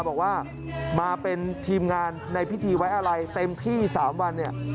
บอกว่ามาเป็นทีมงานในพิธีไว้อะไรเต็มที่๓วันเนี่ย